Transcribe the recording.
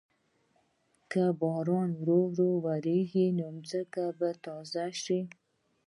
که باران ورو ورو وریږي، نو ځمکه به تازه شي.